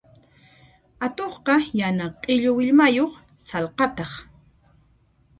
Atuqqa yana q'illu willmayuq sallqataq.